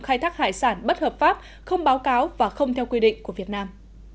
khai thác hải sản bất hợp pháp không báo cáo và không theo quy định của việt nam